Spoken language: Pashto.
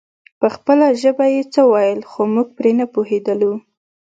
په خپله ژبه يې څه ويل خو موږ پرې نه پوهېدلو.